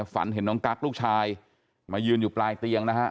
ฝันเห็นน้องกั๊กลูกชายมายืนอยู่ปลายเตียงนะฮะ